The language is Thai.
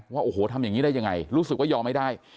ว่าโอ้โหทำอย่างนี้ได้ยังไงรู้สึกว่ายอมไม่ได้